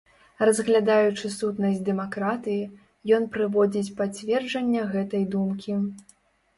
Разглядаючы сутнасць дэмакратыі, ён прыводзіць пацверджання гэтай думкі.